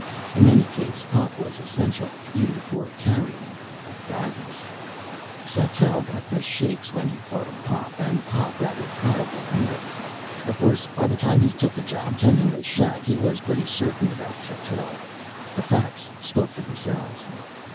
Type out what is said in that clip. In any case Pop was essential, either for carrying or guidance. Sattell got the shakes when he thought of Pop, and Pop rather probably knew it. Of course, by the time he took the job tending the shack, he was pretty certain about Sattell. The facts spoke for themselves.